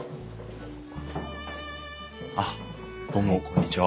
あっどうもこんにちは。